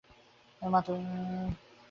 মাতার অসুখের জন্য বিশেষ চিন্তার কারণ কিছুই নাই।